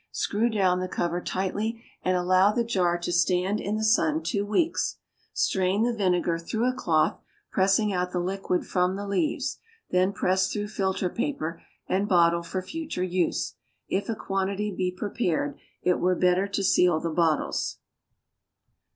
Screw down the cover tightly, and allow the jar to stand in the sun two weeks; strain the vinegar through a cloth, pressing out the liquid from the leaves; then pass through filter paper, and bottle for future use. If a quantity be prepared, it were better to seal the bottles.